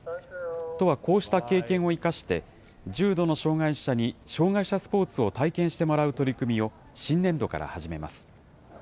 都はこうした経験を生かして、重度の障害者に障害者スポーツを体験してもらう取り組みを、新年度から始めます。